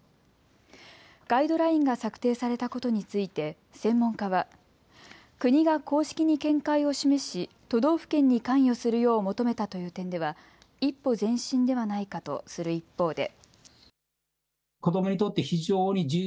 ガイドラインが策定されたことについて専門家は国が公式に見解を示し都道府県に関与するよう求めたという点では一歩前進ではないかとする一方で。